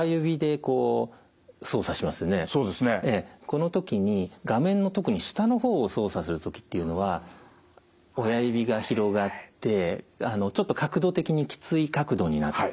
この時に画面の特に下の方を操作する時っていうのは親指が広がってちょっと角度的にきつい角度になってくるんですね。